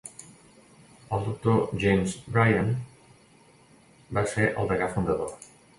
El doctor James Bryant va ser el degà fundador.